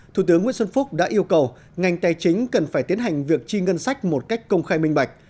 thủ tướng nguyễn xuân phúc đã yêu cầu ngành tài chính cần phải tiến hành việc chi ngân sách một cách công khai minh bạch